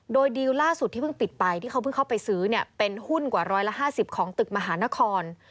โดยดีลล่าสุดที่เพิ่งปิดไปที่เขาเพิ่งเข้าไปซื้อเนี่ยเป็นหุ้นกว่า๑๕๐ของตึกมหานคร